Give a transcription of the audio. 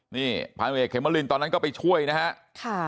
นี่ภายวิทยาลัยเขมรินตอนนั้นก็ไปช่วยนะฮะ